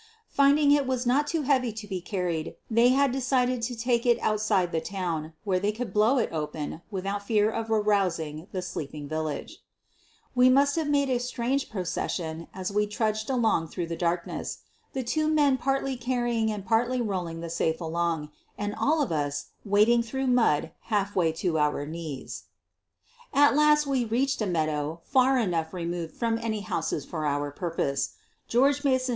Finding it was not too heavy to be carried they had decided to take it outside the town, where they could blow it open without fear of arousing the sleeping village. QUEEN OF THE BURGLARS 121 We must have made a strange procession as we drudged along through the darkness — the two men partly carrying and partly rolling the safe along, and all of us wading through mud half way to our knees. At last we reached a meadow far enough removed from any houses for our purpose. George Mason?